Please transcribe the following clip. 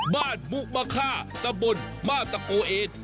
บ้านมุมค่าตะบนมาตะโกเอด